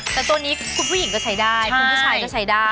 แต่ตัวนี้คุณผู้หญิงก็ใช้ได้คุณผู้ชายก็ใช้ได้